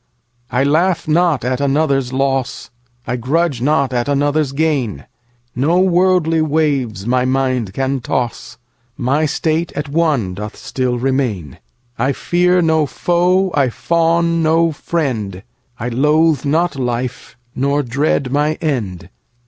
I laugh not at another's loss,I grudge not at another's gain; No worldly waves my mind can toss; My state at one doth still remain:I fear no foe, I fawn no friend;I loathe not life, nor dread my end.